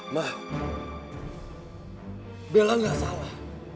ma bella gak salah